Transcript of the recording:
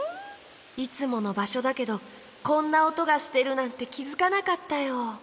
いつものばしょだけどこんなおとがしてるなんてきづかなかったよ。